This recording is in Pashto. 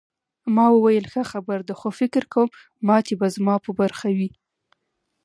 ما وویل ښه خبره ده خو فکر کوم ماتې به زما په برخه وي.